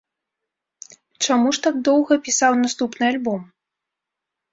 Чаму ж так доўга пісаў наступны альбом?